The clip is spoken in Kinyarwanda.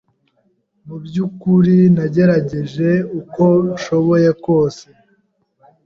Mu byukuri nagerageje uko nshoboye kose